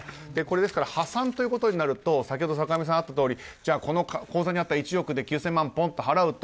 ですから破産ということになると先ほど坂上さんからあったとおりじゃあ、この口座にあった１億１９００万をぽんと払うと。